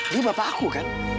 dia bapak aku kan